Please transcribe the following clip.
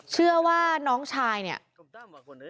เชื่อว่าน้องชายเนี่ย